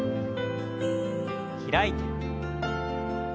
開いて。